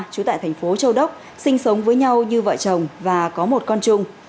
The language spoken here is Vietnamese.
trú tại thành phố châu đốc sinh sống với nhau như vợ chồng và có một con chung